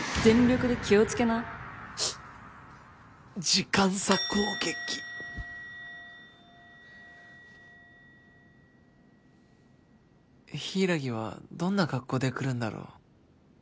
時間差攻撃柊はどんな格好で来るんだろう